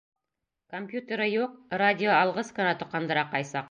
Компьютеры юҡ, радиоалғыс ҡына тоҡандыра ҡай саҡ.